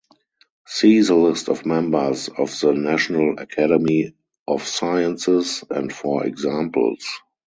See the list of members of the National Academy of Sciences and for examples.